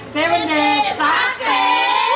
เซเว่นเดย์สามสี่